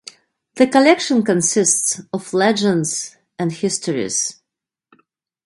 The collection consists of legends and histories.